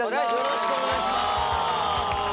よろしくお願いします！